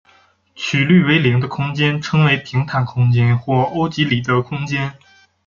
曲率为零的空间称为平坦空间或欧几里得空间。